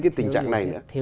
cái tình trạng này nữa